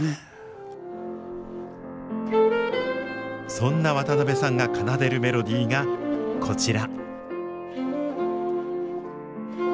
そんな渡辺さんが奏でるメロディーがこちら。